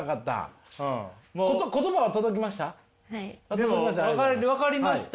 でも分かりました？